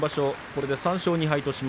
これで３勝２敗です。